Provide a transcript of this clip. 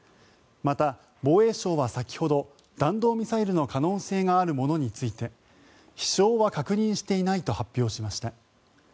また、防衛省は先ほど弾道ミサイルの可能性があるものについて飛翔は確認していないと発表しました。